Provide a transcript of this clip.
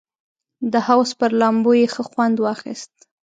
د حوض پر لامبو یې ښه خوند واخیست.